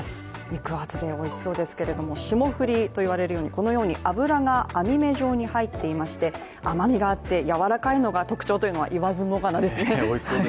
肉厚で、おいしそうですけれども霜降りと言われるように、このように脂が網目状に入っていまして甘みがあってやわらかいのが特徴というのは言わずもがなですね。